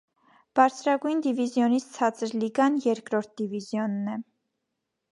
Բարձրագույն դիվիզիոնից ցածր լիգան երկրորդ դիվիզիոնն է։